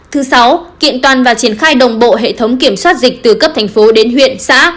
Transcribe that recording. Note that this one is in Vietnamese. thứ sáu kiện toàn và triển khai đồng bộ hệ thống kiểm soát dịch từ cấp thành phố đến huyện xã